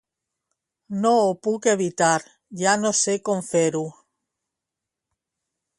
No ho puc evitar, ja no sé com fer-ho.